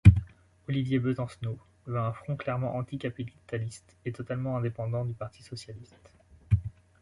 Olivier Besancenot veut un front clairement anticapitaliste et totalement indépendant du Parti socialiste.